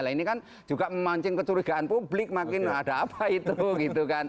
nah ini kan juga memancing kecurigaan publik makin ada apa itu gitu kan